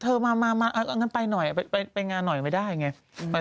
เธอมางั้นไปหน่อยไปงานหน่อยไม่ได้ไง